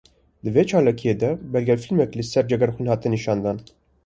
Di vê çalakiyê de belgefilmek li ser Cegerxwîn hate nîşandan